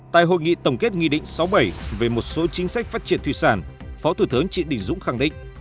tại hội nghị tổng kết nghị định sáu mươi bảy về một số chính sách phát triển thủy sản phó thủ tướng trị đình dũng khẳng định